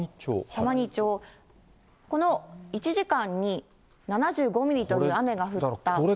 様似町、この１時間に７５ミリという雨が降った。